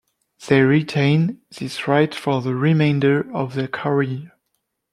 They retain this right for the remainder of their career.